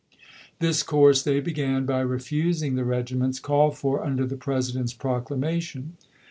This course they began by refusing the regi ments called for under the President's proclam"a tion.